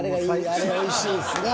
あれおいしいですね。